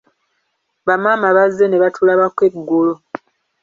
Bamaama bazze nebatulabako eggulo.